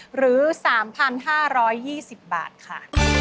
หรือ๓๕๒๐บาทค่ะ